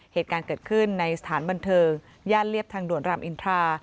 เหตุการณ์เกิดขึ้นในสถานบันเทิงย่านเรียบทางด่วนรามอินทรา